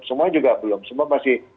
semua juga belum semua masih